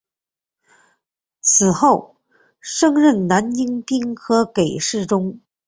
此后升任南京兵科给事中。